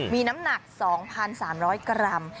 มีน้ำหนักสองพันสามร้อยกรัม